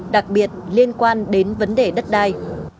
đặc biệt liên quan đến vấn đề đất đai